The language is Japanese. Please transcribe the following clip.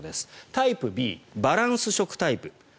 タイプＢ、バランス食タイプ。